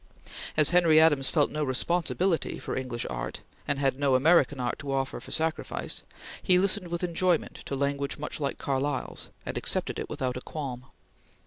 As Henry Adams felt no responsibility for English art, and had no American art to offer for sacrifice, he listened with enjoyment to language much like Carlyle's, and accepted it without a qualm.